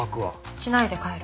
しないで帰る。